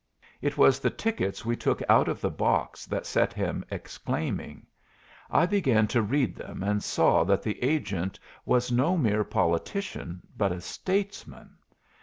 It was the tickets we took out of the box that set him exclaiming. I began to read them, and saw that the agent was no mere politician, but a statesman.